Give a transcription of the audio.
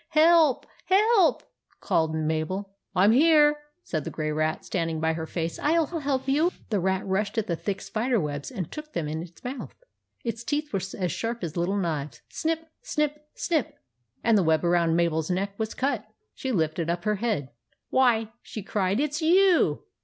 "Help! Help!" called Mabel. " I 'm here," said the Grey Rat, standing by her face. " I '11 help you." The Rat rushed at the thick spider webs and took them in its mouth. Its teeth were as sharp as little knives. Snip ! snip ! snip ! and the web around Mabel's neck was cut. She lifted up her head. " Why !" she cried. " It 's you